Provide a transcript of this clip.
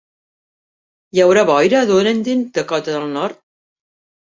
Hi haurà boira a Dunedin, Dakota del Nord?